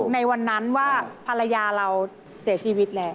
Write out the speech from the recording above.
ในวันนั้นว่าภรรยาเราเสียชีวิตแล้ว